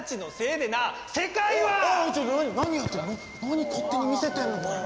何勝手に見せてんのこれ。